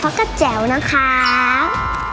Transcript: เพราะกระแจวนะครับ